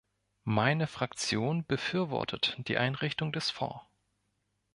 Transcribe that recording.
Meine Fraktion befürwortet die Einrichtung des Fonds.